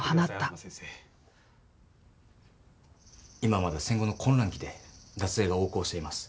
今まだ戦後の混乱期で脱税が横行しています。